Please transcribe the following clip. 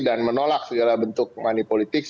dan menolak segala bentuk manipolitik